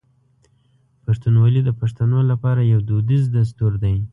پښتونولي د پښتنو لپاره یو دودیز دستور دی.